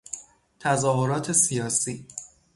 تظاهرات سیاسی